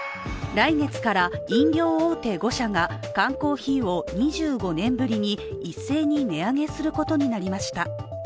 来月から飲料大手５社が缶コーヒーを２５年ぶりに一斉に値上げすることになりました